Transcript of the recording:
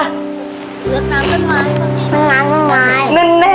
ลดน้ำต้นไม้